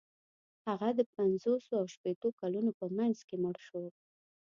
هغه د پنځوسو او شپیتو کلونو په منځ کې مړ شو.